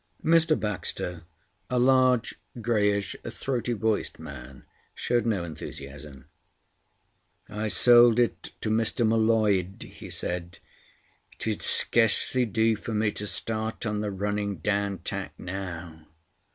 Mr. Baxter, a large, greyish, throaty voiced man, showed no enthusiasm. "I sold it to Mr. M'Leod," he said. "It 'ud scarcely do for me to start on the running down tack now.